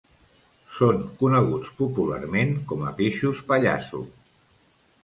Són coneguts, popularment, com a peixos pallasso.